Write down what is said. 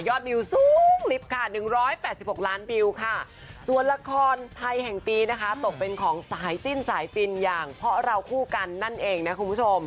วิวสูงลิฟต์ค่ะ๑๘๖ล้านวิวค่ะส่วนละครไทยแห่งปีนะคะตกเป็นของสายจิ้นสายฟินอย่างเพราะเราคู่กันนั่นเองนะคุณผู้ชม